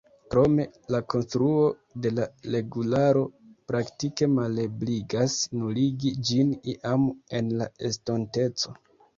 Krome, la konstruo de la regularo praktike malebligas nuligi ĝin iam en la estonteco.